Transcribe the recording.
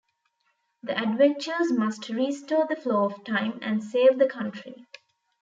The adventurers must restore the flow of time and save the country.